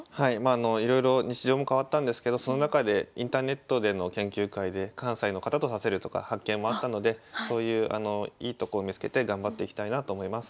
いろいろ日常も変わったんですけどその中でインターネットでの研究会で関西の方と指せるとか発見もあったのでそういういいとこを見つけて頑張っていきたいなと思います。